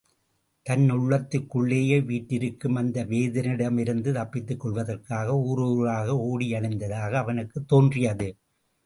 தன் உள்ளத்துக்குள்ளேயே வீற்றிருக்கும் அந்த வேதனையிடமிருந்து தப்பித்துக் கொள்வதற்காக ஊர் ஊராக ஓடியலைந்ததாக அவனுக்குத் தோன்றியது.